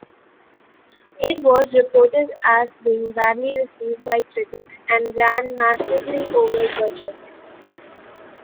It was reported as being badly received by critics and ran massively over budget.